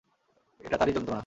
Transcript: এটা তারই যন্ত্রণা!